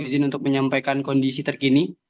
saya menyampaikan kondisi terkini